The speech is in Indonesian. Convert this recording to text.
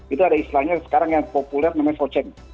itu ada istilahnya sekarang yang populer namanya socing